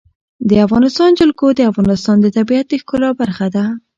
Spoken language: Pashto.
د افغانستان جلکو د افغانستان د طبیعت د ښکلا برخه ده.